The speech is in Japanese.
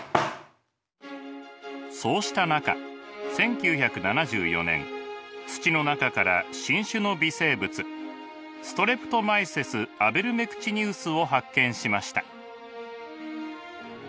そうした中１９７４年土の中から新種の微生物ストレプトマイセス・アベルメクチニウスを発見しました。